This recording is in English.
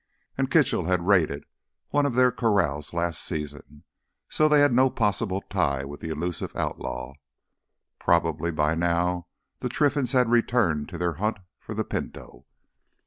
And Kitchell had raided one of their corrals last season, so they had no possible tie with the elusive outlaw. Probably by now the Trinfans had returned to their hunt for the Pinto.